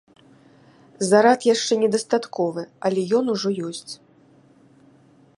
Зарад яшчэ не дастатковы, але ён ужо ёсць.